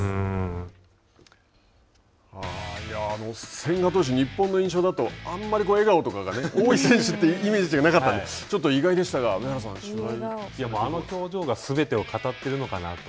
千賀投手、日本の印象だと、あんまり笑顔とかが多い選手というイメージがなかったのであの表情がすべてを語っているのかなと。